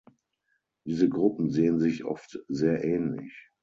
Diese Gruppen sehen sich oft sehr ähnlich.